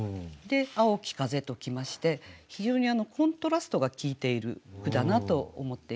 「青き風」と来まして非常にコントラストが効いている句だなと思って頂きました。